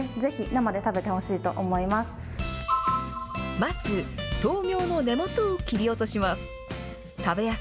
まず、とうみょうの根元を切り落とします。